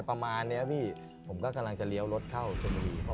ผมก็ขังล่างจะเลี้ยวรถเข้า